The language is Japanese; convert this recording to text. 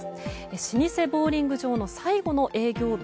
老舗ボウリング場最後の営業日。